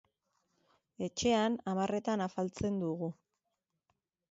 Etxean hamarretan afaltzen dugu.